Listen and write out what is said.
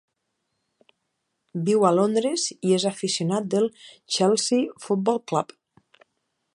Viu a Londres i és aficionat del Chelsea Football Club.